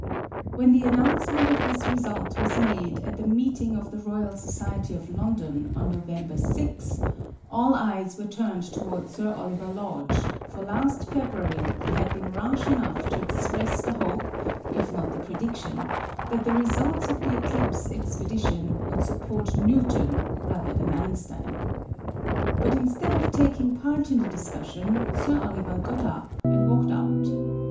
When the announcement of this result was made at the meeting of the Royal Society of London on No vember 6 all eyes were turned toward Sir Oliver Lodge, for last February he had been rash enough to express the hope, if not the prediction, that the results of the eclipse expedition would support Newton rather than Einstein. But instead of taking part in the dis cussion Sir Oliver got up and walked out.